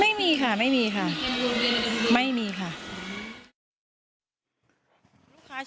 ไม่มีค่ะไม่มีค่ะไม่มีค่ะ